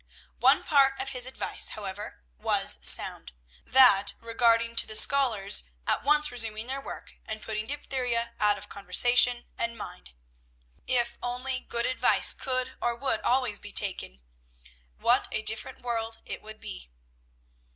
One part of his advice, however, was sound; that regarding to the scholars at once resuming their work, and putting diphtheria out of conversation and mind. If only good advice could or would always be taken, what a different world it would be!